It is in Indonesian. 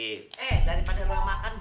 eh daripada lo makan mendingan gua kasih kutuk